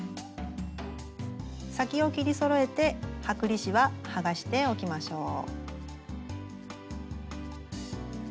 先を切りそろえて剥離紙は剥がしておきましょう。